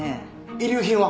遺留品は？